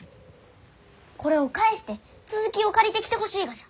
これを返して続きを借りてきてほしいがじゃ。